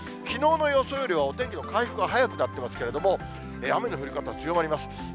きのうの予想よりはお天気の回復は早くなってますけども、雨の降り方は強まります。